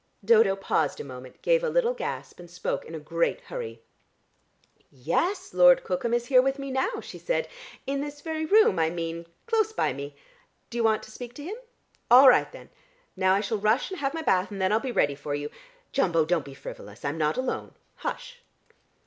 Dodo paused a moment, gave a little gasp, and spoke in a great hurry. "Yes, Lord Cookham is here with me now," she said. "In this very room I mean, close by me. Do you want to speak to him? All right then. Now I shall rush and have my bath, and then I'll be ready for you.... Jumbo, don't be frivolous. I'm not alone. Hush!"